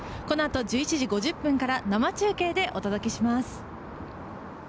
このあと１１時５０分から生中継でお伝えします。